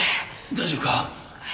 大丈夫か？